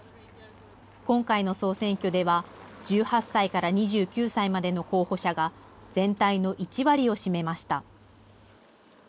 今回の総選挙では、１８歳から２９歳までの候補者が全体の１割を占めました。